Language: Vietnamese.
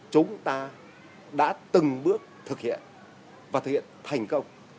chúng ta đã từng bước thực hiện và thực hiện thành công